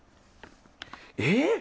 えっ？